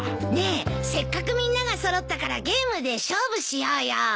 ねえせっかくみんなが揃ったからゲームで勝負しようよ。